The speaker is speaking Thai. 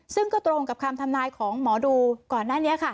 ซึ่งก็ตรงกับคำทำนายของหมอดูก่อนหน้านี้ค่ะ